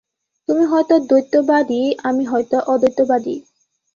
তুমি হয়তো দ্বৈতবাদী, আমি হয়তো অদ্বৈতবাদী।